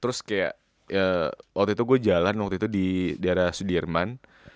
terus kayak waktu itu gue jalan waktu itu di daerah sudirman